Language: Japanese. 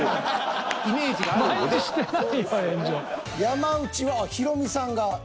山内はヒロミさんが１位。